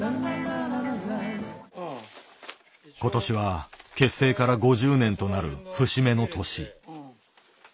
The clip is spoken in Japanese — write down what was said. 今年は結成から５０年となる節目の年。